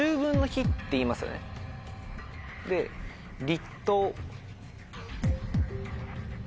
で立冬。